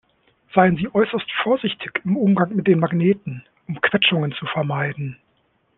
Seien Sie äußerst vorsichtig im Umgang mit den Magneten, um Quetschungen zu vermeiden.